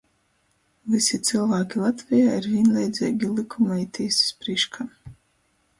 Vysi cylvāki Latvejā ir vīnleidzeigi lykuma i tīsys prīškā.